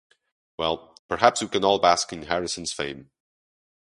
Well, perhaps we can all bask in Harrison's fame.